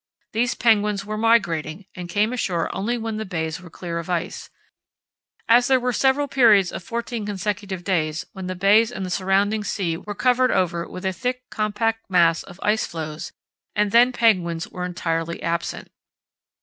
These penguins were migrating, and came ashore only when the bays were clear of ice, as there were several periods of fourteen consecutive days when the bays and the surrounding sea were covered over with a thick compact mass of ice floes, and then penguins were entirely absent.